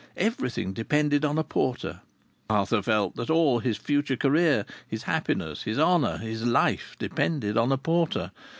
Everything depended on a porter. Arthur felt that all his future career, his happiness, his honour, his life depended on a porter.